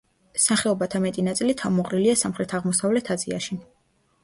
სახეობათა მეტი წილი თავმოყრილია სამხრეთ-აღმოსავლეთ აზიაში.